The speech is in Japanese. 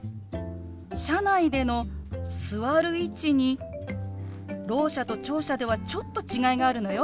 車内での座る位置にろう者と聴者ではちょっと違いがあるのよ。